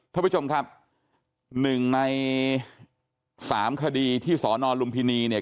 ท่านผู้ชมครับหนึ่งในสามคดีที่สอนอนลุมพินีเนี่ย